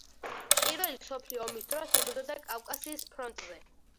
პირველი მსოფლიო ომის დროს იბრძოდა კავკასიის ფრონტზე.